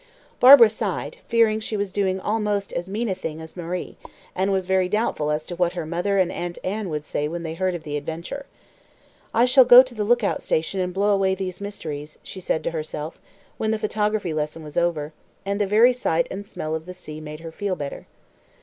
Barbara sighed, fearing she was doing almost as mean a thing as Marie, and was very doubtful as to what her mother and Aunt Anne would say when they heard of the adventure. "I shall go to the look out station and blow away these mysteries," she said to herself, when the photography lesson was over; and the very sight and smell of the sea made her feel better.